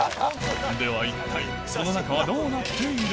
では一体その中はどうなっているのか？